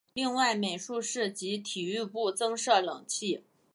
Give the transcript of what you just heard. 另外美术室及体育部增设冷气。